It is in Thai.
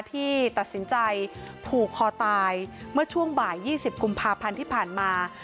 ที่ตัดสินใจผูกคอตายเมื่อช่วงบ่าย๒๐กุมภาพันธ์ที่ผ่านมา